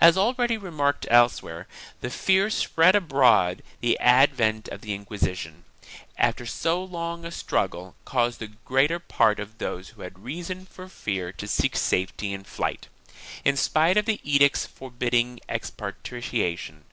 As already remarked elsewhere, the fear spread abroad by the advent of the Inquisition, after so long a struggle, caused the greater part of those who had reason for fear to seek safety in flight, in spite of the edicts forbidding expatriation.